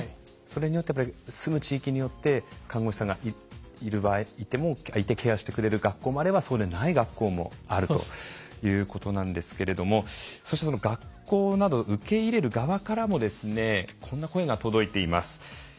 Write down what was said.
それによって住む地域によって看護師さんがいてケアしてくれる学校もあればそうでない学校もあるということなんですけれどもそして学校など受け入れる側からもですねこんな声が届いています。